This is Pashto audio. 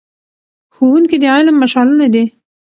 ښوونکي د علم مشعلونه دي.